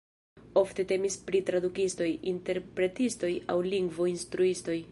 Ofte temis pri tradukistoj, interpretistoj aŭ lingvo-instruistoj.